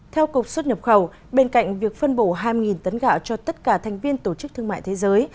theo cục xuất nhập khẩu bên cạnh việc phân bổ hai mươi tấn gạo cho tất cả thành viên tổ chức thương mại thế giới